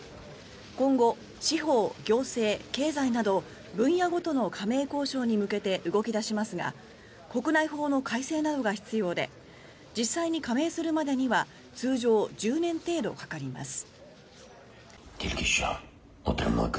今後司法、行政、経済など分野ごとの加盟交渉に向けて動き出しますが国内法の改正などが必要で実際に加盟するまでには通常１０年程度かかります。